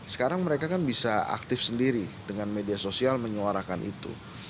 sekarang mereka kan bisa aktif sendiri dengan media sosial menyuarakan itu